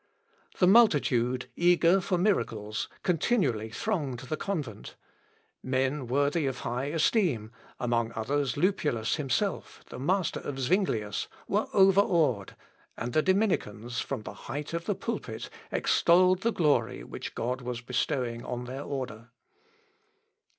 The multitude, eager for miracles, continually thronged the convent. Men worthy of high esteem, among others Lupulus himself, the master of Zuinglius, were overawed, and the Dominicans, from the height of the pulpit extolled the glory which God was bestowing on their order.